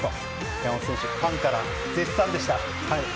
山本選手ファンから絶賛でした。